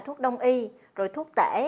thuốc đông y rồi thuốc tể